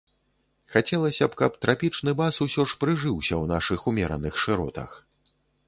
Хацелася б, каб трапічны бас усё ж прыжыўся ў нашых умераных шыротах.